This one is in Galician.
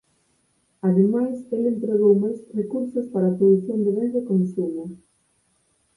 Ademais el empregou máis recursos para a produción de bens de consumo.